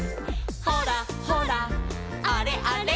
「ほらほらあれあれ」